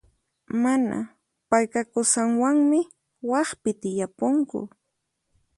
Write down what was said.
Mana, payqa qusanwanmi waqpi tiyapunku.